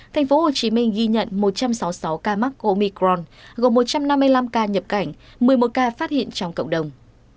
tp hcm ghi nhận một trăm sáu mươi sáu ca mắc omicron gồm một trăm năm mươi năm ca nhập cảnh một mươi một ca phát hiện trong cộng đồng